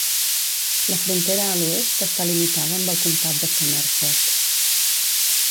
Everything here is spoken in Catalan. La frontera a l'oest està limitada amb el comptat de Somerset.